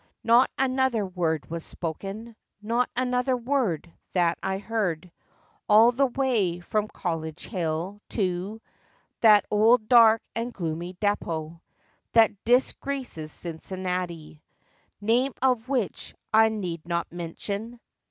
Not another word was spoken— Not another word that I heard— All the way from College Hill to That old dark and gloomy depot That disgraces Cincinnati, Name of which I need not mention.